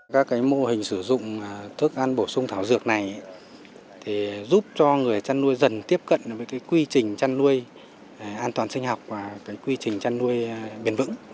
các mô hình sử dụng thức ăn bổ sung thảo dược này giúp cho người chăn nuôi dần tiếp cận với quy trình chăn nuôi an toàn sinh học và quy trình chăn nuôi bền vững